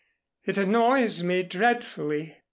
"It annoys me dreadfully."